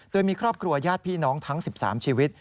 โดยมีครอบครัวญาติพี่น้องทั้ง๑๓ชีวิต